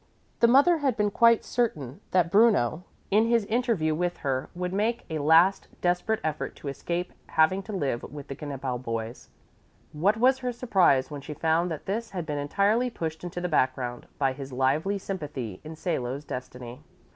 The mother had been quite certain that Bruno in his interview with her would make a last, desperate effort to escape having to live with the Knippel boys. What was her surprise when she found that this had been entirely pushed into the background by his lively sympathy in Salo's destiny.